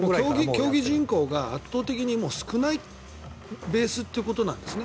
競技人口が圧倒的に少ないベースということなんですね。